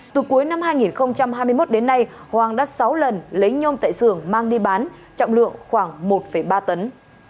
từ cuối năm hai nghìn hai mươi một đến nay hoàng đã sáu lần lấy nhôm tại xưởng mang đi bán trọng lượng khoảng một ba tấn